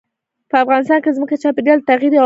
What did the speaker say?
په افغانستان کې ځمکه د چاپېریال د تغیر یوه نښه ده.